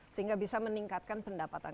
sehingga bisa meningkatkan pendapatan